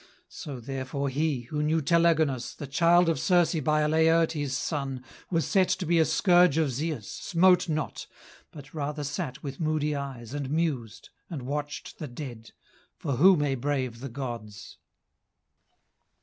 So therefore he, who knew Telegonus, The child of Circe by Laertes' son, Was set to be a scourge of Zeus, smote not, But rather sat with moody eyes, and mused, And watched the dead. For who may brave the gods?